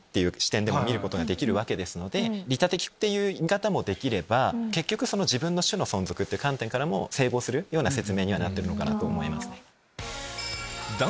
利他的っていう見方もできれば結局自分の種の存続って観点からも整合するような説明にはなっているのかなと思います。